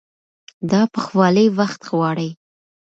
دا پخوالی وخت غواړي.